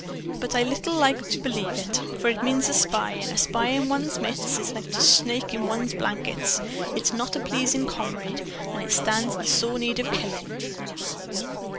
But I little like to believe it. For it means a spy. And a spy in one's midst is like to a snake in one's blankets. It is a not pleasing comrade. And it stands in sore need of killing."